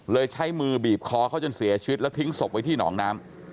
ใช้มือบีบคอเขาจนเสียชีวิตแล้วทิ้งศพไว้ที่หนองน้ำ